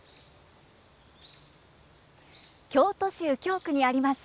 京都右京区にあります